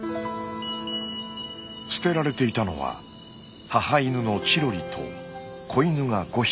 捨てられていたのは母犬のチロリと子犬が５匹。